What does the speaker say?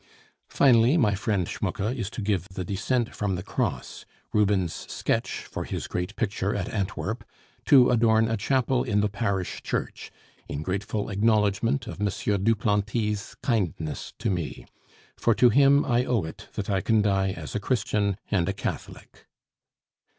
"Finally, my friend Schmucke is to give the Descent from the Cross, Ruben's sketch for his great picture at Antwerp, to adorn a chapel in the parish church, in grateful acknowledgment of M. Duplanty's kindness to me; for to him I owe it that I can die as a Christian and a Catholic."